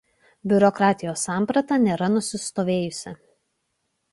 Biurokratijos samprata nėra nusistovėjusi.